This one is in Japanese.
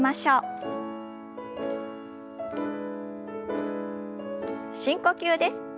深呼吸です。